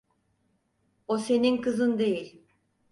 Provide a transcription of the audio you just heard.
O senin kızın değil.